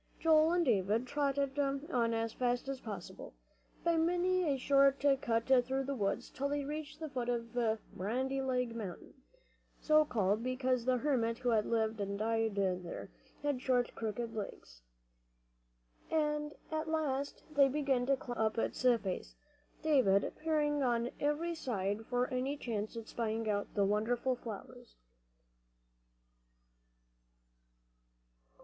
Joel and David trotted on as fast as possible, by many a short cut through the woods, till they reached the foot of "Bandy Leg Mountain," so called because the hermit who had lived and died there had short crooked legs. And at last they began to climb up its face, David peering on every side for any chance at spying out the wonderful flowers.